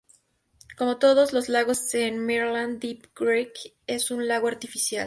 Como todos los lagos en Maryland, Deep Creek es un lago artificial.